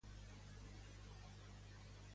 Portuguès, castellà, francès, català, bilingüe.